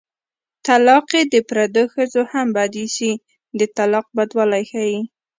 طلاقي د پردو ښځو هم بد ايسي د طلاق بدوالی ښيي